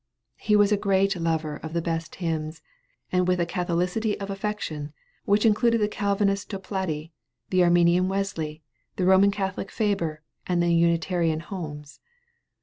He was a great lover of the best hymns, and with a catholicity of affection which included the Calvinist Toplady, the Arminian Wesley, the Roman Catholic Faber, and the Unitarian Holmes.